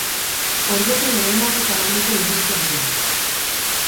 Ordubete lehenago zabalduko dituzte ateak.